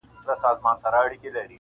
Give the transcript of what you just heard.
• بد هلک بیرته بدیو ته ولاړ سي -